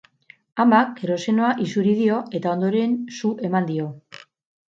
Amak kerosenoa isuri dio, eta ondoren su eman dio.